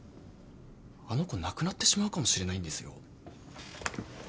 あの子亡くなってしまうかもしれないんですよ。